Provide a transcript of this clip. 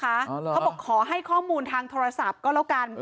เขาบอกขอให้ข้อมูลทางโทรศัพท์ก็แล้วกัน